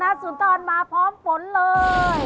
สนับสุดร้อยมาพร้อมฝนเลย